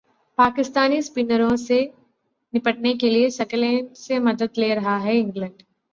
पाकिस्तानी स्पिनरों से निपटने के लिए सकलेन से मदद ले रहा है इंग्लैंड